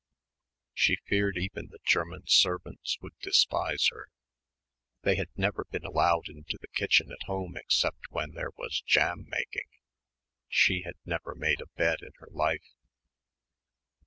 She feared even the German servants would despise her. They had never been allowed into the kitchen at home except when there was jam making ... she had never made a bed in her life....